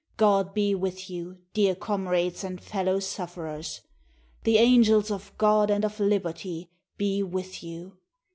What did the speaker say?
God be with you, dear comrades and fellow sufferers ! The angels of God and of liberty be with you.